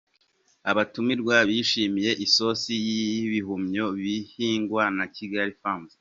Abatumirwa bishimiye isosi y'ibihumyo bihingwa na Kigali Farms.